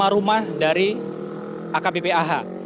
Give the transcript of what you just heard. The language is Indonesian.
lima rumah dari akbpah